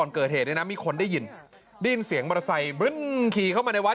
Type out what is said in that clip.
เกิดเหตุเนี่ยนะมีคนได้ยินได้ยินเสียงมอเตอร์ไซค์บึ้นขี่เข้ามาในวัด